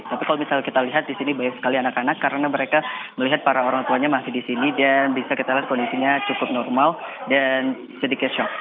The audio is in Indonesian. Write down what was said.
tapi kalau misalnya kita lihat di sini banyak sekali anak anak karena mereka melihat para orang tuanya masih di sini dan bisa kita lihat kondisinya cukup normal dan sedikit shock